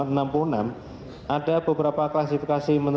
ada beberapa klasifikasi menurut prof dr edward omar syarif harith shm home